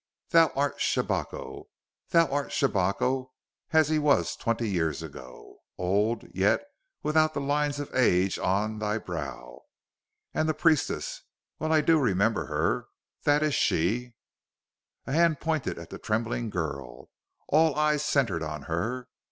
Thou art Shabako! Thou art Shabako as he was twenty years ago old, yet without the lines of age on thy brow! And the priestess well do I remember her. That is she!" A hand pointed at the trembling girl; all eyes centered on her.